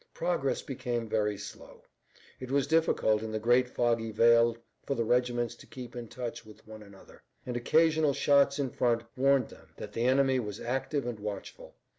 Progress became very slow. It was difficult in the great foggy veil for the regiments to keep in touch with one another, and occasional shots in front warned them that the enemy was active and watchful.